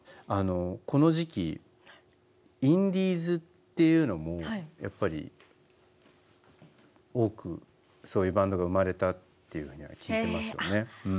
この時期インディーズっていうのもやっぱり多くそういうバンドが生まれたっていうふうには聞いてますよね。